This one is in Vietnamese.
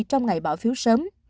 trong ngày bỏ phiếu sớm